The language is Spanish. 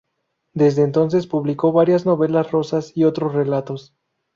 Desde entonces publicó varias novelas rosas y otros relatos.